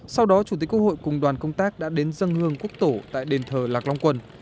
sau đó chủ tịch quốc hội cùng đoàn công tác đã đến dân hương quốc tổ tại đền thờ lạc long quân